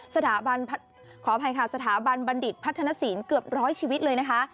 สถาบันขออภัยค่ะสถาบันบัณฑิตพัฒนศีลเกือบร้อยชีวิตเลยนะคะ